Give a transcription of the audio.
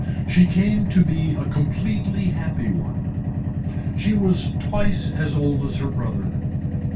She came to be a completely happy one. She was twice as old as her brother.